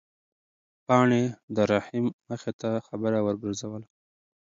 پاڼې د رحیم مخې ته خبره ورګرځوله.